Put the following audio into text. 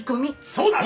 そうだな。